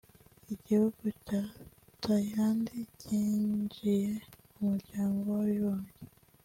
Igihugu cya Thailand cyinjiye mu muryango w’abibumbye